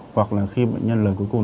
hoặc là khi bệnh nhân lần cuối cùng